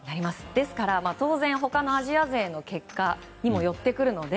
ですから、当然他のアジア勢の結果にもよってくるので